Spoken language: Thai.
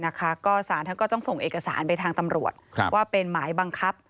สารท่านก็ต้องส่งเอกสารไปทางตำรวจว่าเป็นหมายบังคับ